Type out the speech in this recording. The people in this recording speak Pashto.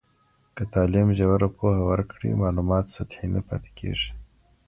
که تعلیم ژوره پوهه ورکړي، معلومات سطحي نه پاته کېږي.